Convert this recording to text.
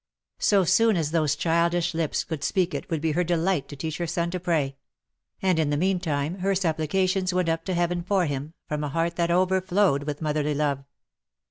So soon as those childish lips could speak it would be her delight to teach her son to pray ; and, in the meantime, her supplications went up to Heaven for him, from a heart that overflowed with motherly love.